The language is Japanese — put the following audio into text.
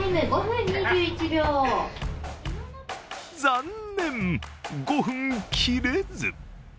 残念、５分切れず。